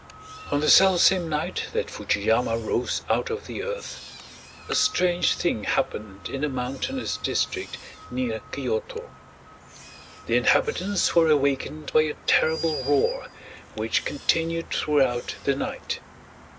On the self same night that Fuji yama rose out of the earth, a strange thing happened in the mountainous district near Kyoto. The inhabitants were awakened by a terrible roar, which continued throughout the night.